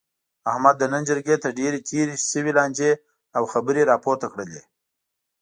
احمد د نن جرګې ته ډېرې تېرې شوې لانجې او خبرې را پورته کړلې.